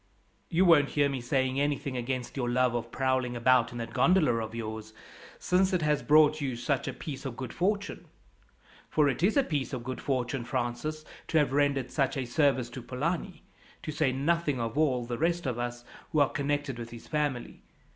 "You won't hear me saying anything against your love of prowling about in that gondola of yours, since it has brought you such a piece of good fortune for it is a piece of good fortune, Francis, to have rendered such a service to Polani, to say nothing of all the rest of us who are connected with his family.